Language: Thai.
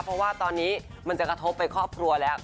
เพราะว่าตอนนี้มันจะกระทบไปครอบครัวแล้ว